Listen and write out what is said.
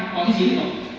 có cái dính rồi